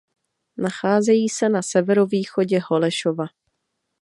Nacházejí se na severovýchodě Holešova.